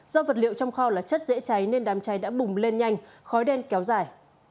do vật liệu trong kho là chất dễ cháy nên đám cháy đã bùng lên nhanh khói đen kéo dài